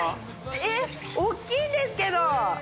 えっ大きいんですけど！